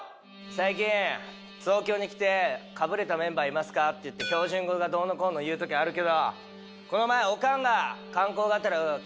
「最近東京に来てかぶれたメンバーいますか？」っていって標準語がどうのこうの言う時あるけどこの前オカンが観光がてら来ました。